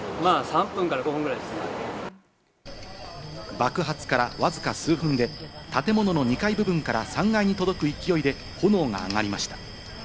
爆発からわずか数分で建物の２階部分から３階に届く勢いで炎が上がりました。